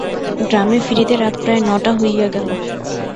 গ্রামে ফিরিতে রাত প্রায় নটা হইয়া গেল।